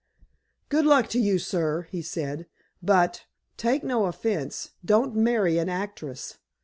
"Good luck to you, sir," he said, "but—take no offense—don't marry an actress.